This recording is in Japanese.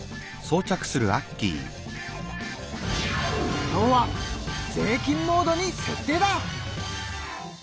これは今日は税金モードに設定だ！